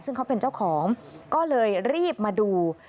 ซึ่งเขาเป็นเจ้าของก็เลยรีบมาดู